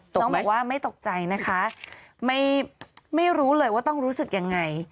ต้องบอกว่าไม่ตกใจนะคะไม่รู้เลยว่าต้องรู้สึกยังไง